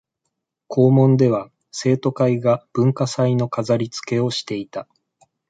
校門では生徒会が文化祭の飾りつけをしていた